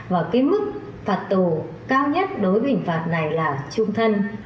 và cái mức phạt tù cao nhất đối với hình phạt này là trung thân